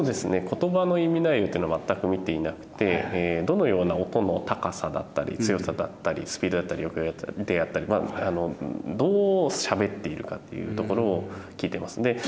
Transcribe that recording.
言葉の意味内容というのは全く見ていなくてどのような音の高さだったり強さだったりスピードだったり抑揚であったりどうしゃべっているかっていうところを聞いてますね。